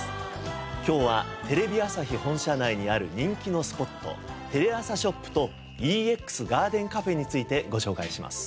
今日はテレビ朝日本社内にある人気のスポットテレアサショップとＥＸＧＡＲＤＥＮＣＡＦＥについてご紹介します。